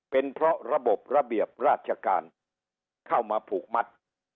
เป็นเพราะระบบระเบียบราชการเข้ามาผูกมัด